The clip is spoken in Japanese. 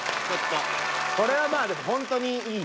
これはまあでもほんとにいい。